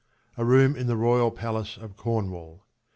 A room in the royal palace of Cornwall.